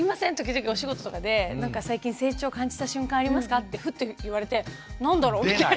時々お仕事とかで「最近成長を感じた瞬間ありますか」ってふっと言われて何だろうみたいな。